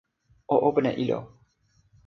o open e ilo.